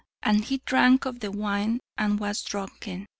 'And he drank of the wine, and was drunken.'